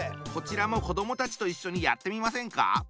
こちらも子どもたちと一緒にやってみませんか？